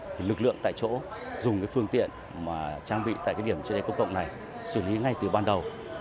thì lực lượng tại chỗ dùng phương tiện trang bị tại điểm cháy cốc cộng này xử lý ngay từ ban đầu